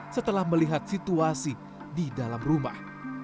setelah melihat situasi di dalam rumah